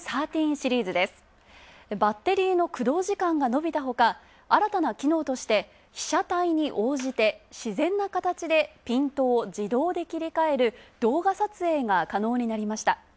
バッテリーの起動時間が延びた他、新たな機能として被写体に応じて自然な形でピントを自動で切り替える動画撮影が可能になりました。